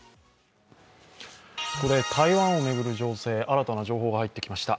ここで台湾を巡る情勢、新たな情報が入ってきました。